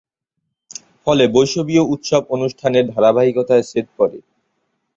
ফলে বৈষ্ণবীয় উৎসব অনুষ্ঠানের ধারাবাহিকতায় ছেদ পড়ে।